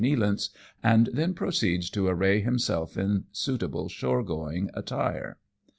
Nealance^ and then proceeds to array himself in. suitable shore going attire.